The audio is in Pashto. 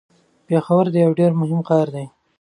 پېښور یو ډیر مهم ښار دی.